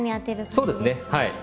そうですねはい。